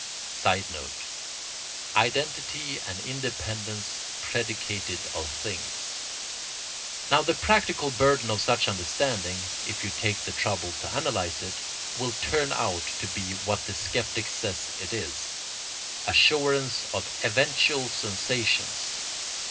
[Sidenote: Identity and independence predicated of things.] Now the practical burden of such understanding, if you take the trouble to analyse it, will turn out to be what the sceptic says it is: assurance of eventual sensations.